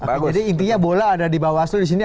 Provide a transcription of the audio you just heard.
jadi intinya bola ada di bawaslu disini